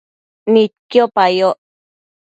Nidquipa yoc